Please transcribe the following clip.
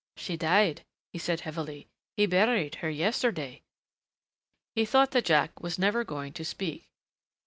"She died," he said heavily. "He buried her yesterday." He thought that Jack was never going to speak.